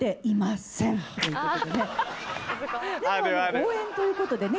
応援ということでね。